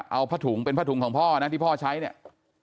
เอาผ้าถุงเป็นผ้าถุงของพ่อนะที่พ่อใช้เนี่ย